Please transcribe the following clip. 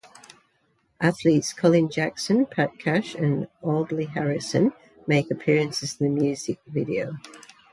Athletes Colin Jackson, Pat Cash, and Audley Harrison make appearances in the music video.